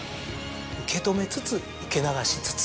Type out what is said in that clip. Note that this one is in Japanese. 受け止めつつ受け流しつつ。